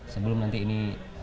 sebelum nanti ini